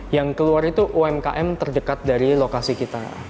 yang keluar itu umkm terdekat dari lokasi kita